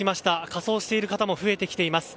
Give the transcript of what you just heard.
仮装している方も増えてきています。